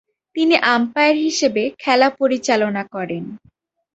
তিনি আম্পায়ার হিসেবে খেলা পরিচালনা করেন।